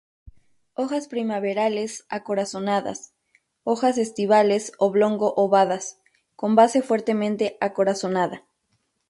Hojas primaverales acorazonadas, hojas estivales oblongo-ovadas, con base fuertemente acorazonada.